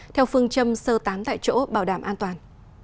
theo phương châm sơ tán tại chỗ bảo đảm an toàn